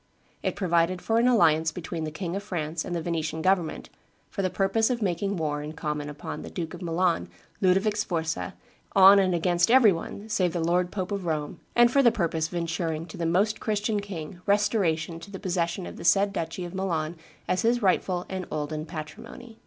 It provided for an alliance between the King of France and the Venetian government, for the purpose of making war in common upon the Duke of Milan, Ludovic Sforza, on and against every one, save the lord pope of Rome, and for the purpose of insuring to the Most Christian king restoration to the possession of the said duchy of Milan as his rightful and olden patrimony.